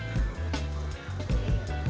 setelah saya keliling galeri butik eb batik